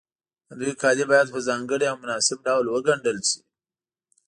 د دوی کالي باید په ځانګړي او مناسب ډول وګنډل شي.